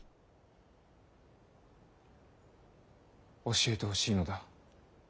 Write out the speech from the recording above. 教えてほしいのだ。